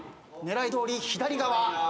狙いどおり左側。